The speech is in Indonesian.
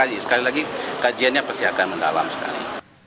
akan dilihat dari syarik kaji sekali lagi kajiannya pasti akan mendalam sekali